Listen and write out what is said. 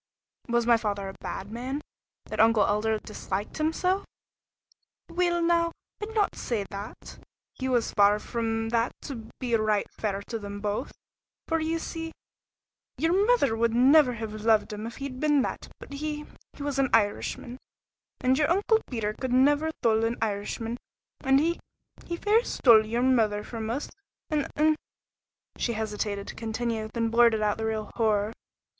"Was my father a bad man, that Uncle 'Elder' disliked him so?" "Weel now, I'd no say that; he was far from that to be right fair to them both for ye see ye'r mither would never have loved him if he'd been that but he he was an Irishman, and ye'r Uncle Peter could never thole an Irishman, and he he fair stole ye'r mither from us a' an " she hesitated to continue, then blurted out the real horror.